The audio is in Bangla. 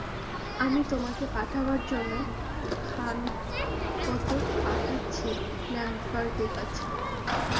আমি তোমাকে পাঠাবার জন্য খানকতক পাঠাচ্ছি ল্যাণ্ডসবার্গের কাছে।